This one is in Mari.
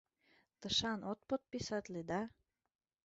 Тышан от подписатле, да?